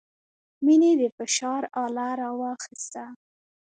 مينې د فشار اله راواخيسته.